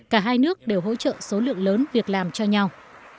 cả hai nước đều hỗ trợ số lượng lớn việc làm cho nhau